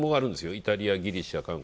イタリア、ギリシャ、韓国。